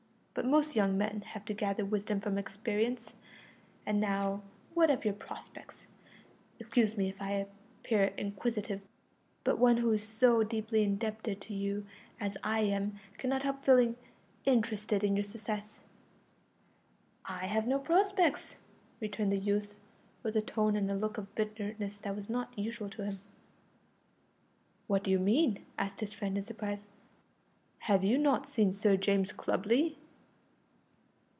But most young men have to gather wisdom from experience. And now, what of your prospects? Excuse me if I appear inquisitive, but one who is so deeply indebted to you as I am cannot help feeling interested in your success." "I have no prospects," returned the youth, with a tone and look of bitterness that was not usual to him. "What do you mean?" asked his friend in surprise, "have you not seen Sir James Clubley?"